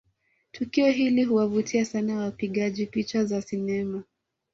Tukio hili huwavutia sana wapigaji picha za sinema